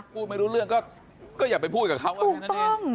พูดไม่รู้เรื่องก็อย่าไปพูดกับเขาถูกต้อง